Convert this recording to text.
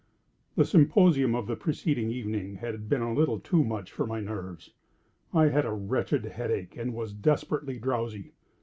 The symposium of the preceding evening had been a little too much for my nerves. I had a wretched headache, and was desperately drowsy.